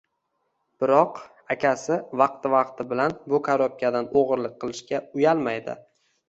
Biroq akasi vaqti vaqti bilan bu korobkadan o‘g‘irlik qilishga uyalmaydi.